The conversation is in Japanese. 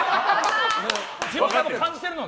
自分でも感じてるのね。